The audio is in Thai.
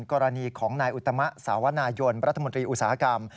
กรณีของนายอุตมะสาวนายนรัฐมนตรีอุตสาหกรรม